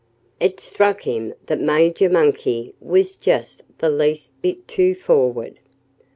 It struck him that Major Monkey was just the least bit too forward.